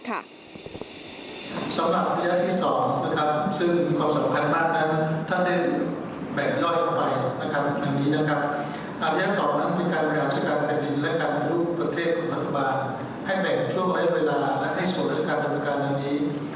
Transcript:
การสร้างความสงบเรียบร้อยในบ้านแผ่นดินและการเตรียมปฏิรูปประเทศ